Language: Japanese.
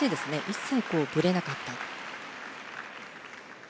一切ぶれなかった。